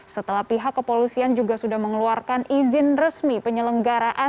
setelah pihak kepolisian juga sudah mengeluarkan izin resmi penyelenggaraan